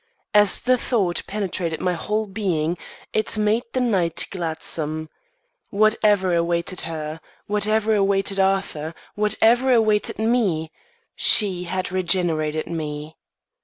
As the thought penetrated my whole being, it made the night gladsome. Whatever awaited her, whatever awaited Arthur, whatever awaited me, she had regenerated me.